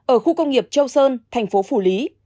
ở khu công nghiệp châu sơn thành phố phủ lý